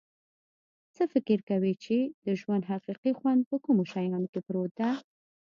څه فکر کویچې د ژوند حقیقي خوند په کومو شیانو کې پروت ده